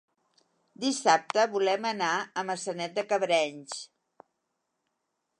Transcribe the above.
Dissabte volem anar a Maçanet de Cabrenys.